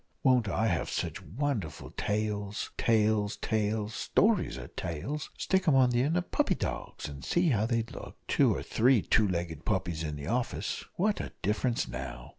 won't I have sich wonderful tales tales tails stories are tails stick 'em on the end of puppy dogs, and see how they'd look two or three two legged puppies in the office what a difference now!